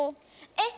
えっ